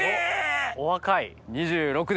お若い。